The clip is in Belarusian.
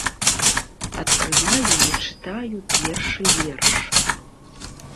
Адкрываю і чытаю першы верш.